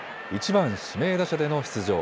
１番・指名打者での出場。